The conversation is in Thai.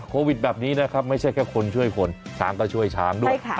โควิดแบบนี้นะครับไม่ใช่แค่คนช่วยคนช้างก็ช่วยช้างด้วย